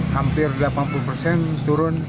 hampir delapan puluh persen turun